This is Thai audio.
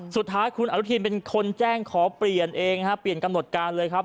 สุดท้ายคุณอนุทินเป็นคนแจ้งขอเปลี่ยนเองฮะเปลี่ยนกำหนดการเลยครับ